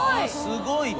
すごいわ。